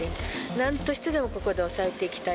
なんとしてでも、ここで抑えていきたい。